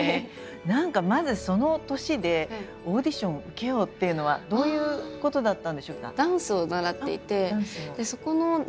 何かまずその年でオーディションを受けようっていうのはどういうことだったんでしょうか？